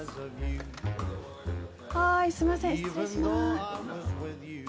はいすいません失礼します。